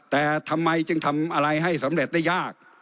แต่ทำไมจึงทำอะไรให้สำเร็จได้ยาก